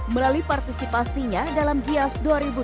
melalui partisipasinya dalam giias dua ribu dua puluh tiga